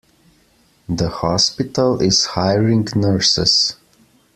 The hospital is hiring nurses.